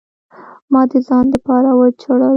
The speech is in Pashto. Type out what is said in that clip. ما د ځان د پاره وجړل.